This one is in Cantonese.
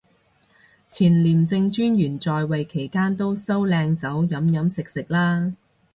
前廉政專員在位期間都收靚酒飲飲食食啦